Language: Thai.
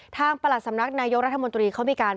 ประหลัดสำนักนายกรัฐมนตรีเขามีการ